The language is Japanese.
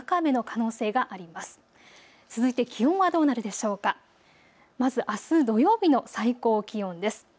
まず、あす土曜日の最高気温です。